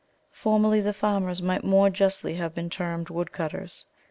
Formerly the farmers might more justly have been termed woodcutters.